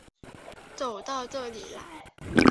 走到这里来